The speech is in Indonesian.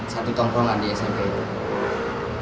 satu tongkrongan di smp